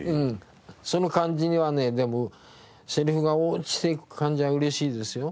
その感じにはねでもセリフが落ちてく感じは嬉しいですよ。